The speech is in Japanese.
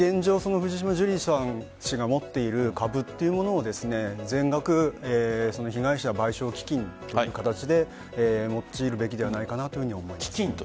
藤島ジュリー氏が持っている株というものを全額、被害者賠償基金という形で用いるべきではないかなと思います。